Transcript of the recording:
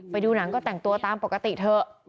ไปดูหนังก็แต่งตัวตามปกติเถอะ